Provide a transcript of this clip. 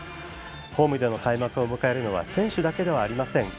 ホームでの開幕を迎えるのは選手だけではありません。